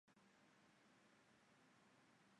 友谊日近年来变得非常热门。